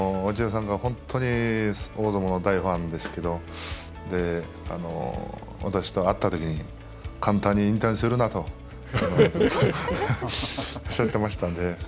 落合さんが本当に大相撲の大ファンですけど私と会ったときに簡単に引退するなとずっとおっしゃってましたので。